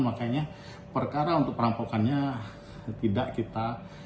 makanya perkara untuk perampokannya tidak kita